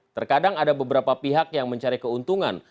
terkadang ada beberapa pihak yang mencari keuntungan